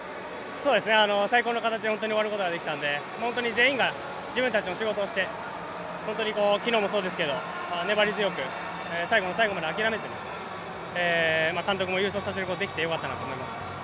最高の形で本当に終わることができたので全員が自分たちの仕事をして昨日もそうですけど粘り強く最後の最後まで諦めずに監督も優勝させることができてよかったなと思います。